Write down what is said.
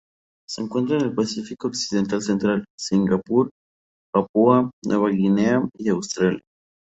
Se encuentra en el Pacífico occidental central: Singapur, Papúa Nueva Guinea y Australia.